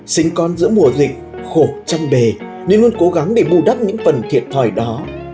sinh con giữa mùa dịch khổ chăm bề nên luôn cố gắng để bù đắp những phần thiệt thòi đó